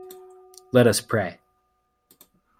Let us pray.